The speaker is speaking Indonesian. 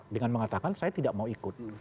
dengan mengatakan saya tidak mau ikut